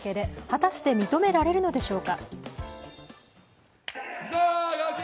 果たして認められるのでしょうか。